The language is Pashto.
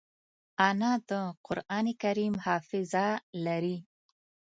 انا د قرانکریم حافظه لري